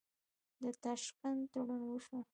د تاشکند تړون وشو.